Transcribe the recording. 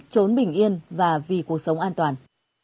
trốn bình yên và vì cuộc sống an toàn